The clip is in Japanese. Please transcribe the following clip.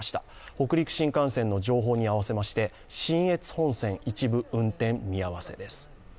北陸新幹線の情報に合わせまして信越本線、一部運転見合わせです。